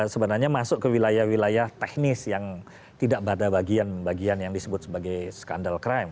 sebenarnya masuk ke wilayah wilayah teknis yang tidak pada bagian bagian yang disebut sebagai skandal crime